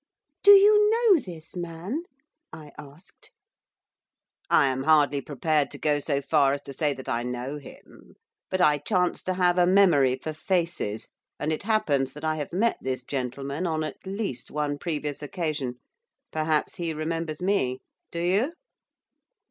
'Do you know this man?' I asked. 'I am hardly prepared to go so far as to say that I know him, but, I chance to have a memory for faces, and it happens that I have met this gentleman on at least one previous occasion. Perhaps he remembers me. Do you?